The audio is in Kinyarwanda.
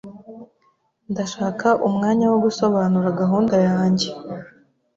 Ndashaka umwanya wo gusobanura gahunda yanjye.